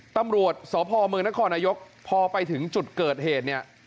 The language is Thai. ตำรวจสพเมืองนครนายกพอไปถึงจุดเกิดเหตุเนี่ย